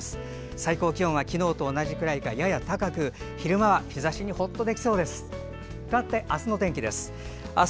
最高気温は昨日と同じくらいかやや高く昼間は日ざしにほっとできそうです。